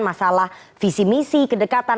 masalah visi misi kedekatan